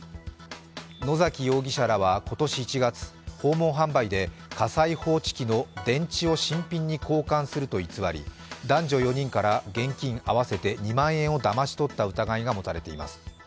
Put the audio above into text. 野崎容疑者らは今年１月、訪問販売で火災報知器の電池を新品に交換すると偽り男女４人から現金合わせて２万円をだまし取った疑いが持たれています。